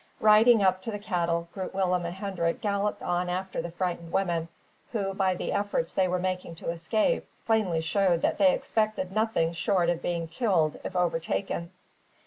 Riding up to the cattle, Groot Willem and Hendrik galloped on after the frightened women, who, by the efforts they were making to escape, plainly showed that they expected nothing short of being killed if overtaken.